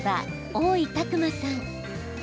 大井拓磨さん。